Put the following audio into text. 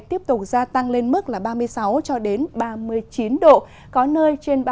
tiếp tục gia tăng lên mức ba mươi sáu ba mươi chín độ